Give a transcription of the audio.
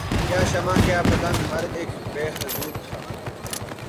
کیا شمع کیا پتنگ ہر اک بے حضور تھا